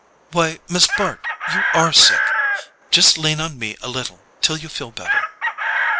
"Why, Miss Bart, you ARE sick. Just lean on me a little till you feel better."